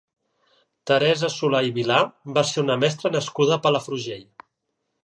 Teresa Solà i Vilà va ser una mestra nascuda a Palafrugell.